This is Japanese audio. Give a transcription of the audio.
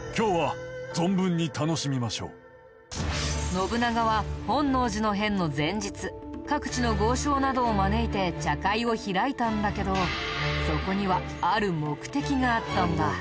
信長は本能寺の変の前日各地の豪商などを招いて茶会を開いたんだけどそこにはある目的があったんだ。